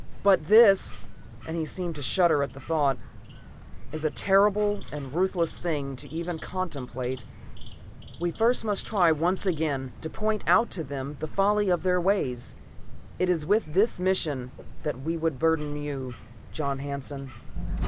"But this," and he seemed to shudder at the thought, "is a terrible and a ruthless thing to even contemplate. We must first try once again to point out to them the folly of their ways. It is with this mission that we would burden you, John Hanson."